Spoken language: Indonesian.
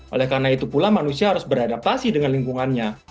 oleh karena itu pula manusia harus beradaptasi dengan lingkungannya